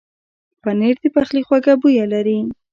پنېر د پخلي خوږه بویه لري.